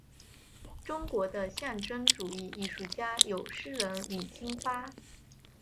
中国的象征主义艺术家有诗人李金发。